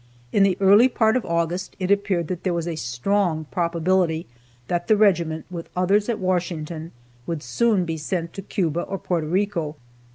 In the early part of August it appeared that there was a strong probability that the regiment, with others at Washington, would soon be sent to Cuba or Porto Rico.